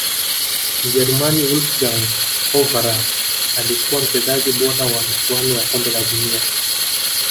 mjerumani wolfgang overalh alikuwa mchezaji bora wa michuano ya kombe la dunia